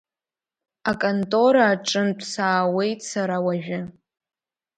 Аконтора аҿынтә саауеит сара уажәы…